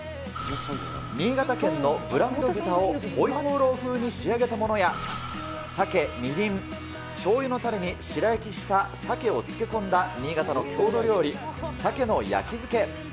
新潟県のブランド豚をホイコーロー風に仕上げたものや、サケ、みりん、しょうゆのたれに、白焼きしたサケを漬け込んだ新潟の郷土料理、鮭の焼き漬け。